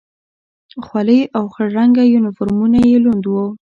خولۍ او خړ رنګه یونیفورمونه یې لوند و.